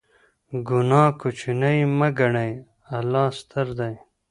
ګناه کوچنۍ مه ګڼئ، الله ستر دی.